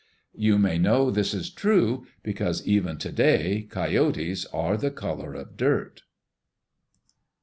You may know this is true because even to day coyotes are the color of dirt.